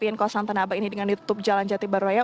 rapiin kosan tanah abang ini dengan ditutup jalan jati barwaya